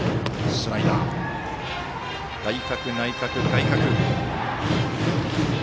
外角、内角、外角。